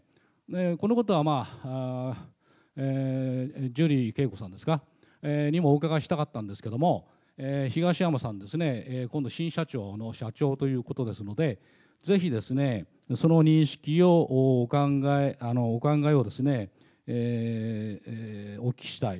このことは、ジュリー景子さんですか、お伺いしたかったんですけれども、東山さんですね、今度新社長の社長ということですので、ぜひですね、その認識をお考えをお聞きしたい。